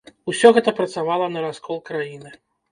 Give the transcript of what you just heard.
Усё гэта працавала на раскол краіны.